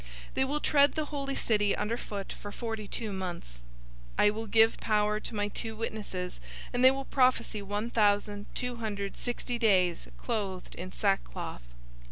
They will tread the holy city under foot for forty two months. 011:003 I will give power to my two witnesses, and they will prophesy one thousand two hundred sixty days, clothed in sackcloth."